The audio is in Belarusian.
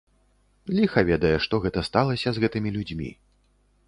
Ліха ведае што гэта сталася з гэтымі людзьмі.